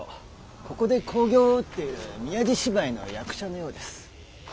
ここで興行を打っている宮地芝居の役者のようです。